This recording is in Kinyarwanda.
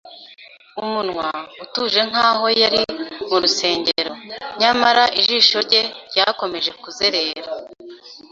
umunwa, utuje nkaho yari mu rusengero; nyamara ijisho rye ryakomeje kuzerera